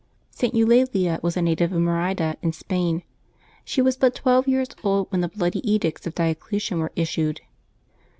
[t. Eulalia was a native of Merida, in Spain. She was but twelve years old when the bloody edicts of Diocletian w ere issued.